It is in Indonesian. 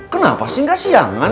kenapa sih gak siangan